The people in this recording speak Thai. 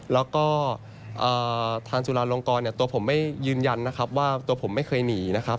แล้วก็ทานจุลาลงกรตัวผมไม่ยืนยันนะครับว่าตัวผมไม่เคยหนีนะครับ